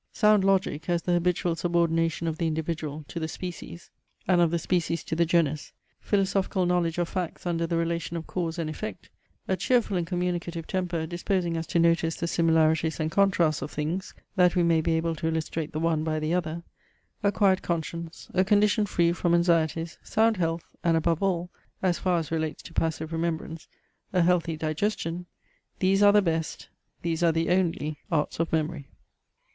Sound logic, as the habitual subordination of the individual to the species, and of the species to the genus; philosophical knowledge of facts under the relation of cause and effect; a cheerful and communicative temper disposing us to notice the similarities and contrasts of things, that we may be able to illustrate the one by the other; a quiet conscience; a condition free from anxieties; sound health, and above all (as far as relates to passive remembrance) a healthy digestion; these are the best, these are the only Arts of Memory.